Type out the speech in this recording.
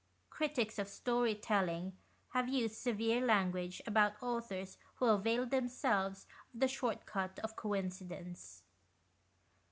Critics of story telling have used severe language about authors who avail themselves of the short cut of coincidence.